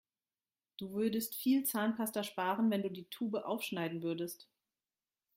Du würdest viel Zahnpasta sparen, wenn du die Tube aufschneiden würdest.